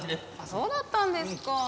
そうだったんですか。